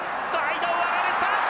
間を割られた！